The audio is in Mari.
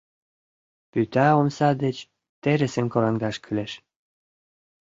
Вӱта омса деч терысым кораҥдаш кӱлеш.